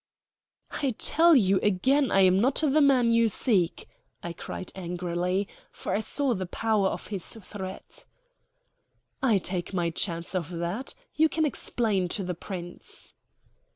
"I tell you again I am not the man you seek," I cried angrily; for I saw the power of his threat. "I take my chance of that. You can explain to the Prince."